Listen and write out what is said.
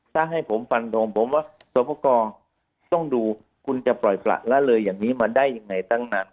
ถ้าให้ผมฟังโทษต้องดูว่าตัวปกรณ์คุณจะปล่อยตัดละเลยอย่างนี้ได้อย่างไรตั้งนาน